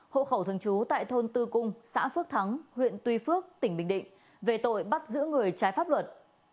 hộ khẩu thường trú tại thôn tư cung xã phước thắng huyện tuy phước tỉnh bình định về tội bắt giữ người trái pháp luật